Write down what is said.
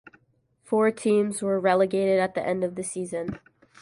Four teams were relegated at the end of the season.